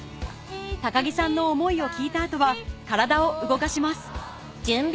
木さんの思いを聞いた後は体を動かします